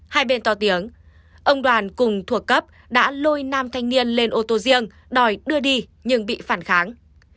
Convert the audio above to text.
hai bên to tiếng ông đoàn cùng thuộc cấp đã lôi nam thanh niên lên ô tô riêng đòi đưa đi nhưng bị phản kháng